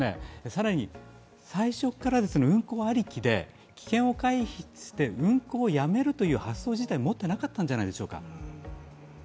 更に、最初から運航ありきで危険を回避して運航をやめるという発想自体持っていなかったんじゃないでしょうか。